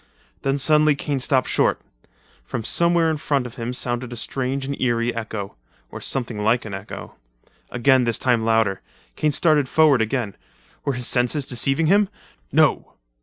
Then suddenly Kane stopped short. From somewhere in front of him sounded a strange and eery echo—or something like an echo. Again, this time louder. Kane started forward again. Were his senses deceiving him? No!